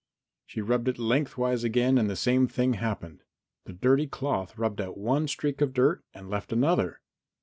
She rubbed it lengthwise again and the same thing happened. The dirty cloth rubbed out one streak of dirt and left another.